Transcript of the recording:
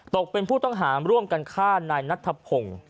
ตกเป็นผู้ต้องหาร่วมกันฆ่านายนัทธพงศ์